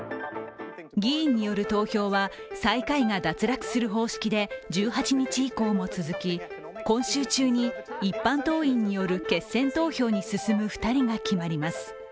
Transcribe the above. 議員による投票は最下位が脱落する方式で１８日以降も続き、今週中に一般党員による決選投票に進む２人が決まります。